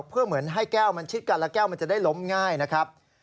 เพื่อเหมือนให้แก้วมันชิดกันแล้วแก้วมันจะได้ล้มง่ายนะครับ